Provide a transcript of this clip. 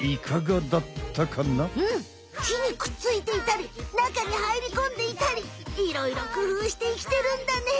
うん木にくっついていたり中に入りこんでいたりいろいろくふうして生きてるんだね！